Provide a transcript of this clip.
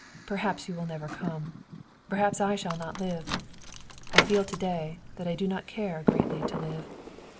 Perhaps you will never come. Perhaps I shall not live. I feel to day that I do not care greatly to live.